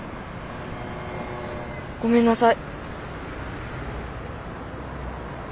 ごめんなさい。